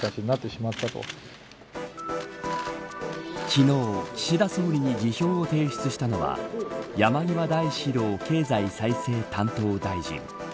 昨日、岸田総理に辞表を提出したのは山際大志郎経済再生担当大臣。